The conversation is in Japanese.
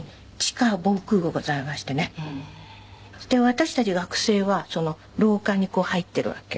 私たち学生は廊下に入っているわけ。